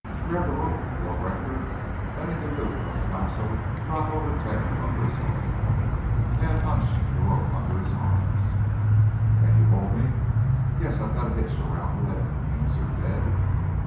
"Grab the rope!" yelled Rector, letting the loop of his lasso drop over Tad Butler's head. Tad hunched the rope under his arms. "Can you hold me?" "Yes, I've got a hitch around a limb," answered Ned.